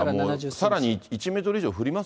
さらに１メートル以上降ります